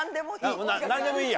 何でもいい。